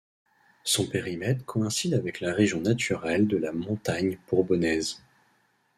Son périmètre coïncide avec la région naturelle de la Montagne bourbonnaise.